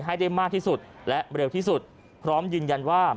ให้ได้มากที่สุดและเร็วที่สุดพร้อมยืนยันว่า